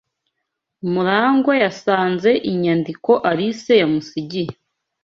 Murangwa yasanze inyandiko Alice yamusigiye.